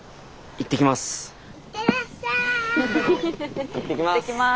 行ってきます。